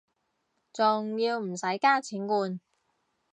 仲要唔使加錢換